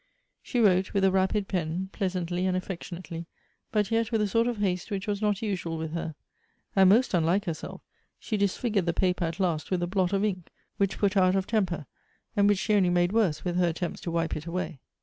She wrote, with a rapid pen, pleasantly and affectionately, but yet with a sort of haste which was not usual with her ; and, most unlike herself, she disfigured the paper at last with a blot of ink, which put her out of temper, and which she only made worse with her attempts to wipe it away.